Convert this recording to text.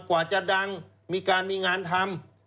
กว่าจะดังมีการมีงานทำ